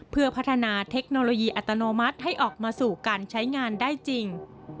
เพื่อพัฒนาเทคโนโลยีอัตโนมัติให้ออกมาสู่การใช้งานได้จริง